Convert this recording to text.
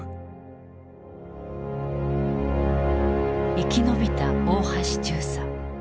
生き延びた大橋中佐。